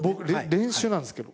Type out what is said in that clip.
練習なんですけど。